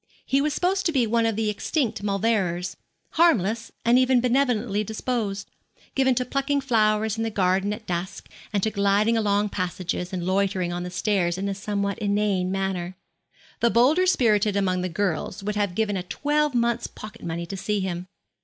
He was supposed to be one of the extinct Mauleverers; harmless and even benevolently disposed; given to plucking flowers in the garden at dusk; and to gliding along passages, and loitering on the stairs in a somewhat inane manner. The bolder spirited among the girls would have given a twelve month's pocket money to see him.